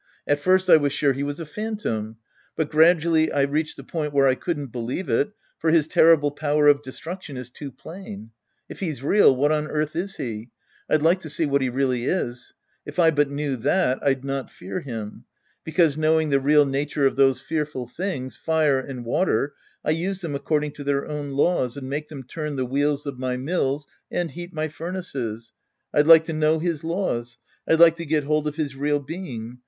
At first I was sure he was a phantom. But gradually I reached the point where I couldn't believe it, for his terrible power of destruction is too plain. If he's real, what on earth is he ? I'd like to see what he really is. If I but knew that, I'd not fear him. Because, knowing the real nature of those fearful things, fire and water, I use them according to their own laws and make' them turn the wheels of my mills and heat my furnaces. I'd like to know his laws. I'd like to get hold of his reaLbeing.